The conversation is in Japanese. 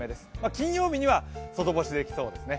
金曜日には外干しできそうですね。